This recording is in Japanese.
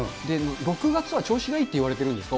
６月は調子がいいって言われてるんですよね。